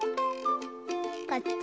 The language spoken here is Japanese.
こっち？